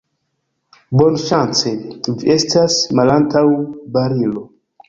Bonŝance, vi estas malantaŭ barilo.